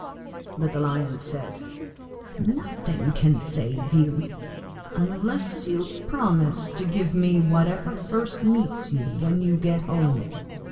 But the Lion said, 'Nothing can save you, unless you promise to give me whatever first meets you when you get home.